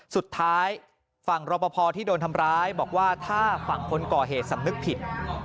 สุดท้ายฝั่งรปภที่โดนทำร้ายบอกว่าถ้าฝั่งคนก่อเหตุสำนึกผิด